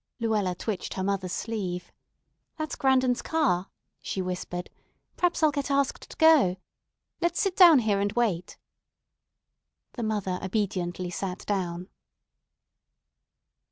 Luella twitched her mother's sleeve. "That's Grandon's car," she whispered. "P'raps I'll get asked to go. Let's sit down here and wait." The mother obediently sat down.